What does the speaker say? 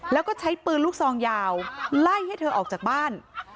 แล้วก็ใช้ปืนลูกซองยาวไล่ให้เธอออกจากบ้าน